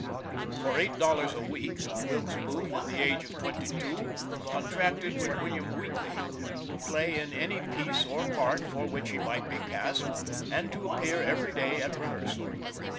For eight dollars a week, Wilkes Booth, at the age of twenty two, contracted with William Wheatley to play in any piece or part for which he might be cast, and to appear every day at rehearsal.